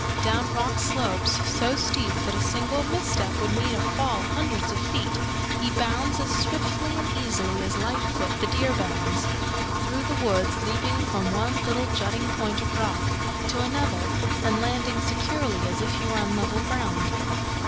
Down rock slopes, so steep that a single misstep would mean a fall hundreds of feet, he bounds as swiftly and easily as Lightfoot the Deer bounds through the woods, leaping from one little jutting point of rock to another and landing securely as if he were on level ground.